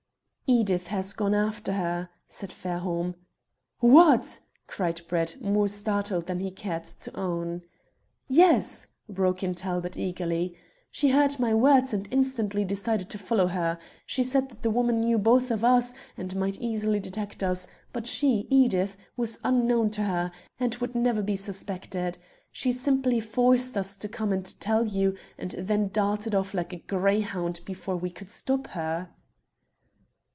"Edith has gone after her," said Fairholme. "What!" cried Brett, more startled than he cared to own. "Yes," broke in Talbot eagerly. "She heard my words and instantly decided to follow her. She said that the woman knew both of us, and might easily detect us, but she, Edith, was unknown to her, and would never be suspected. She simply forced us to come and tell you, and then darted off like a greyhound before we could stop her."